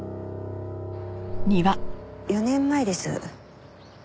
４年前です。